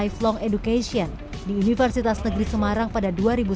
lifelong education di universitas negeri semarang pada dua ribu sebelas